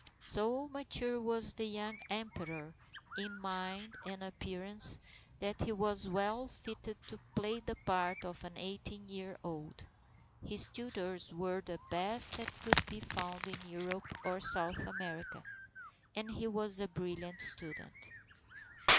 So mature was the young Emperor in mind and appearance, that he was well fitted to play the part of an eighteen year old. His tutors were the best that could be found in Europe or South America, and he was a brilliant student.